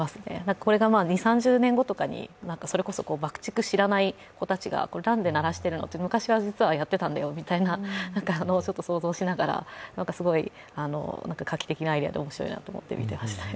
これが２０３０年後とかにそれこそ爆竹知らない子たちが、何で鳴らしているの？と昔から実はやってたんだよというのを想像しながらすごい画期的なアイデアで面白いなと思って見てました。